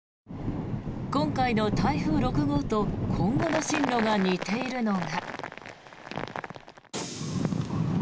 今回の台風６号と今後の進路が似ているのが。